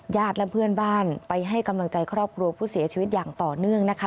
และเพื่อนบ้านไปให้กำลังใจครอบครัวผู้เสียชีวิตอย่างต่อเนื่องนะคะ